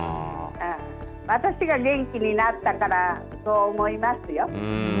私が元気になったからそう思いますよ。